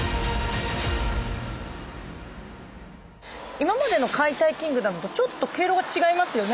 今までの「解体キングダム」とちょっと毛色が違いますよね。